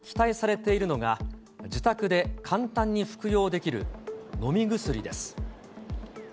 こうした中、期待されているのが自宅で簡単に服用できる飲み薬です。